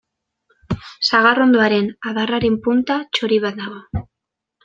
Sagarrondoaren adarraren punta txori bat dago.